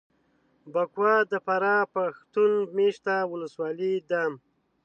بکوا دفراه پښتون مېشته ولسوالي ده